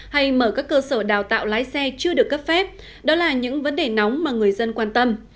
hay mở các cơ sở đào tạo lái xe chưa được cấp phép đó là những vấn đề nóng mà người dân quan tâm